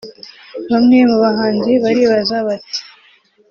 Bamwe mu bahanzi baribaza bati